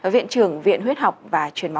viện trưởng viện huyết học và truyền thông